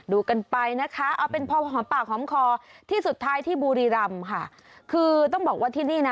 ดูกันไปนะคะเอาเป็นพอหอมปากหอมคอที่สุดท้ายที่บุรีรำค่ะคือต้องบอกว่าที่นี่นะ